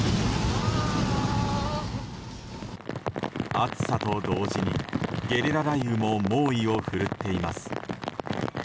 暑さと同時にゲリラ雷雨も猛威を振るっています。